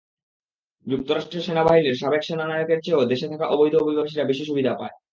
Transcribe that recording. যুক্তরাষ্ট্রের সেনাবাহিনীর সাবেক সেনানায়কদের চেয়েও দেশে থাকা অবৈধ অভিবাসীরা বেশি সুবিধা পায়।